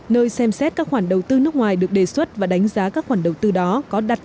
nơi xem xét các khoản đầu tư nước ngoài được đề xuất và đánh giá các khoản đầu tư đó có đặt